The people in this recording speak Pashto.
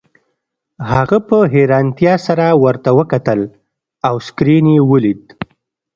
هغه په حیرانتیا سره ورته وکتل او سکرین یې ولید